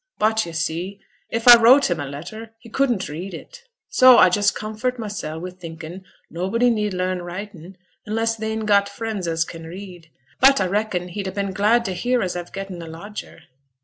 But yo' see, if a wrote him a letter he couldn't read it; so a just comfort mysel' wi' thinkin' nobody need learn writin' unless they'n got friends as can read. But a reckon he'd ha' been glad to hear as a've getten a lodger.'